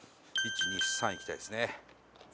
１２３いきたいですね。